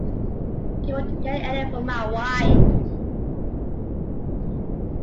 You won’t get any from my wine